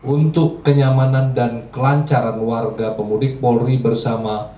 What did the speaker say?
untuk kenyamanan dan kelancaran warga pemudik polri bersama